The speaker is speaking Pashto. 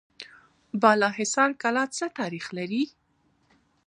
بالاحصار کلا څه تاریخ لري؟